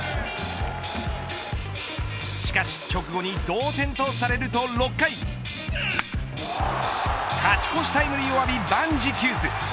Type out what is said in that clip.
しかし直後に同点とされると６回勝ち越しタイムリーを浴び万事休す。